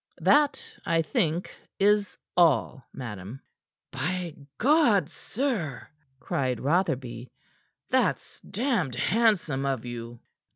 That, I think, is all, madam." "By God, sir," cried Rotherby, "that's damned handsome of you!"